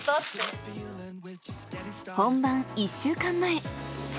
本番１週間前。